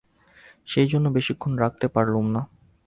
সেইজন্যে বেশিক্ষণ রাগতে পারলুম না।